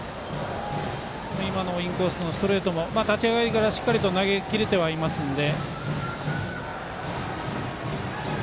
今のインコースのストレートも立ち上がりから投げ切れてはいますので。